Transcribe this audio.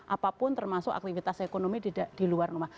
apapun termasuk aktivitas ekonomi di luar rumah